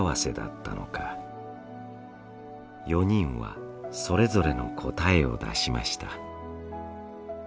４人はそれぞれの答えを出しました。